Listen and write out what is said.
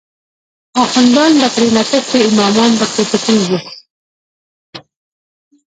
آخوندان به ترینه تښتی، امامان به تری پټیږی